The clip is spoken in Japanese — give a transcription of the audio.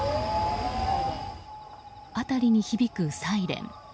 辺りに響くサイレン。